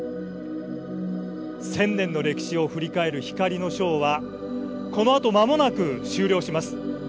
１０００年の歴史を振り返る光のショーは、このあとまもなく終了します。